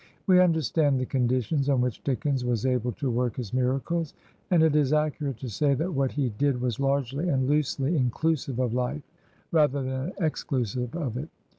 We understand the conditions on which Dickens was able to work his miracles; and it is accurate to say that what he did was largely and loosely inclusive of life rather than ex clusive of it.